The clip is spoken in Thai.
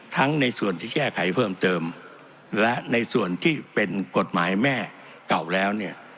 ในส่วนที่แก้ไขเพิ่มเติมและในส่วนที่เป็นกฎหมายแม่เก่าแล้วเนี่ย